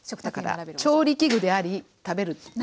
だから調理器具であり食べる器。